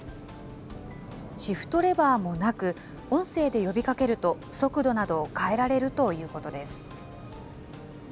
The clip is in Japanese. シフトレバーもなく、音声で呼びかけると速度などを変えられるということです。